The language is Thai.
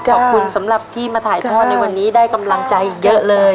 ขอบคุณสำหรับที่มาถ่ายทอดในวันนี้ได้กำลังใจเยอะเลย